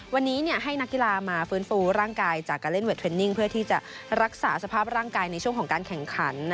วันนี้ให้นักกีฬามาฟื้นฟูร่างกายจากการเล่นเวทเทรนนิ่งเพื่อที่จะรักษาสภาพร่างกายในช่วงของการแข่งขัน